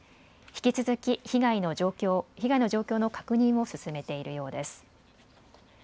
引き続き被害の状況の確認を進めているようです。